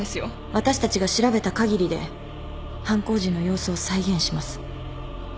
私たちが調べたかぎりで犯行時の様子を再現します。